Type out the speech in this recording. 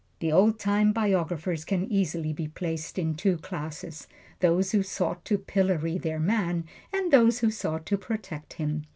The old time biographers can easily be placed in two classes: those who sought to pillory their man, and those who sought to protect him.